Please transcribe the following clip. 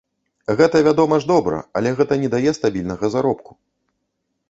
Гэта, вядома ж, добра, але гэта не дае стабільнага заробку.